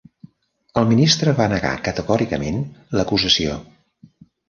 El ministre va negar categòricament l'acusació.